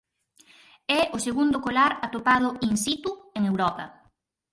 É o segundo colar atopado "in situ" en Europa.